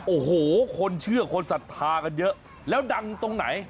โอ้โหคนเชื่อคนศรัทธากันเยอะแล้วดังตรงไหน